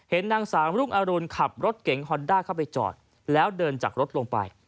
นางสามรุ่งอรุณขับรถเก๋งฮอนด้าเข้าไปจอดแล้วเดินจากรถลงไป